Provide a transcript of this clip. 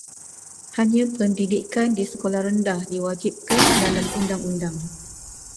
Hanya pendidikan di sekolah rendah diwajibkan dalam undang-undang.